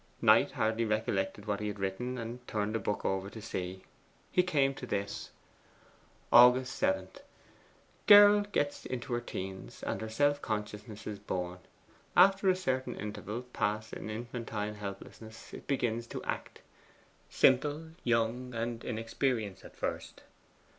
Knight hardly recollected what he had written, and turned over the book to see. He came to this: 'Aug. 7. Girl gets into her teens, and her self consciousness is born. After a certain interval passed in infantine helplessness it begins to act. Simple, young, and inexperienced at first.